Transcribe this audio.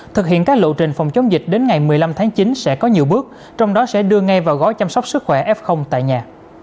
thực hiện các lộ trình phòng chống dịch đến ngày một mươi năm tháng chín sẽ có nhiều bước trong đó sẽ đưa ngay vào gói chăm sóc sức khỏe f tại nhà